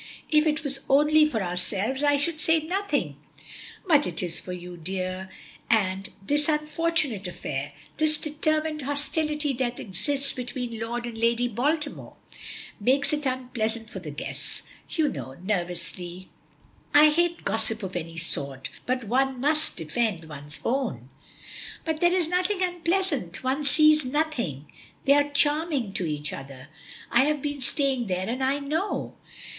If it was only for ourselves I should say nothing, but it is for you, dear; and this unfortunate affair this determined hostility that exists between Lord and Lady Baltimore, makes it unpleasant for the guests. You know," nervously, "I hate gossip of any sort, but one must defend one's own." "But there is nothing unpleasant; one sees nothing. They are charming to each other. I have been staying there and I know."